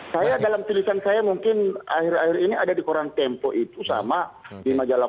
saya dalam tulisan saya mungkin akhir akhir ini ada di koran tempo itu sama di majalah